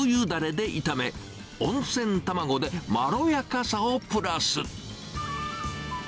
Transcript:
だれで炒め、温泉卵でまろやかさをプラス。